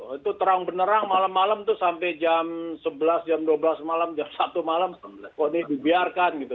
itu terang benerang malam malam itu sampai jam sebelas jam dua belas malam jam satu malam kok ini dibiarkan gitu